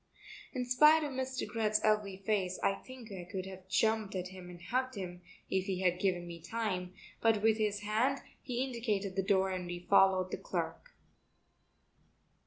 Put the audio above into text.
In spite of Mr. Greth's ugly face I think I could have jumped at him and hugged him if he had given me time, but with his hand he indicated the door and we followed the clerk.